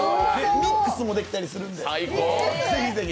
ミックスもできたりするんで、ぜひぜひ。